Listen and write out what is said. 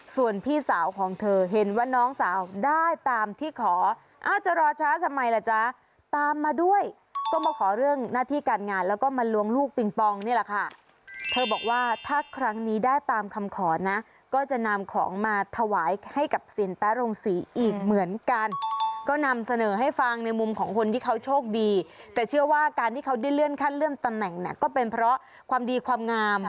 ส่วนพี่สาวของเธอเห็นว่าน้องสาวได้ตามที่ขออ้าวจะรอช้าทำไมล่ะจ๊ะตามมาด้วยก็มาขอเรื่องหน้าที่การงานแล้วก็มาล้วงลูกปิงปองนี่แหละค่ะเธอบอกว่าถ้าครั้งนี้ได้ตามคำขอนะก็จะนำของมาถวายให้กับสินแป๊โรงศรีอีกเหมือนกันก็นำเสนอให้ฟังในมุมของคนที่เขาโชคดีแต่เชื่อว่าการที่เขาได้เลื่อนขั้นเลื่อนตำแหน่งก็เป็นเพราะความดีความงาม